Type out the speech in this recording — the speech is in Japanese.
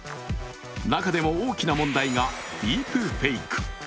中でも大きな問題がディープフェイク。